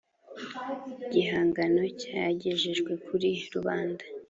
gihangano cyagejejwe kuri rubanda